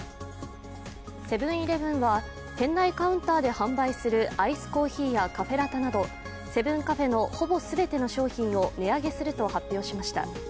セブン−イレブンは店内カウンターで販売するアイスコーヒーやカフェラテなどセブンカフェのほぼ全ての商品を値上げすると発表しました。